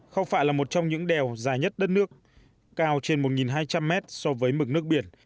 khao phạ là một trong những đèo dài nhất đất nước cao trên một hai trăm linh mét so với mực nước biển